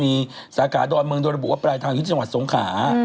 มีสาขาดอดเมืองโดนระบุว่าปรายทางยุทธิ์จังหวัดทรงขา